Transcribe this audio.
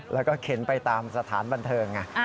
แล้วก็เข็นไปตามสถานบันเทิงไง